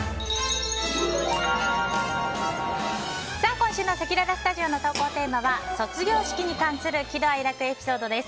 今週のせきららスタジオの投稿テーマは卒業式に関する喜怒哀楽エピソードです。